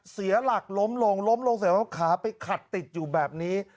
เสียหลักล้มลงล้มลงเสร็จแล้วขาไปขัดติดอยู่แบบนี้